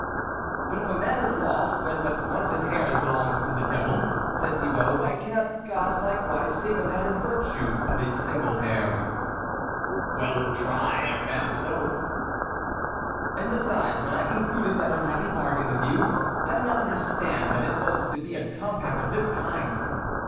" But if a man is lost when but one of his hairs belongs to the devil," said Thi bault, " why cannot God likewise save a man in virtue of a single hair ?"" Well, try if that is so 1 "" And, besides, when I concluded that unhappy bargain with you, I did not understand that it was to be a compact of this kind."